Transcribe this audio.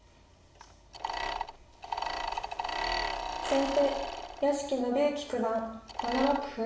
先手屋敷伸之九段７六歩。